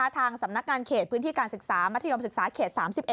ทางสำนักงานเขตพื้นที่การศึกษามัธยมศึกษาเขต๓๑